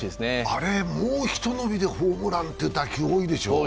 あれもうひと伸びでホームランという打球多いでしょう？